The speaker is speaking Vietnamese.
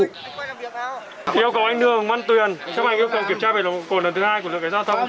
yeo cầu anh dương văn tuyền chấp hành ưu cầu kiểm tra vệ lộn cồn lần thứ hai của lượng kế giao thông